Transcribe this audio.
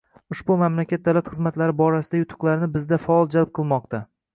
Ushbu mamlakat davlat xizmatlari borasidagi yutuqlarini bizda faol jalb qilmoqda.